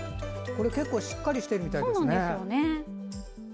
結構しっかりしてるみたいですね。